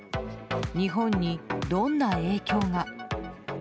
日本にどんな影響が。